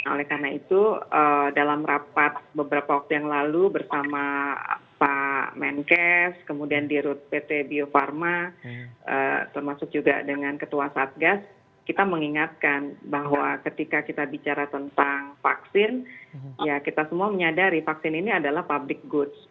oleh karena itu dalam rapat beberapa waktu yang lalu bersama pak menkes kemudian dirut pt bio farma termasuk juga dengan ketua satgas kita mengingatkan bahwa ketika kita bicara tentang vaksin ya kita semua menyadari vaksin ini adalah public goods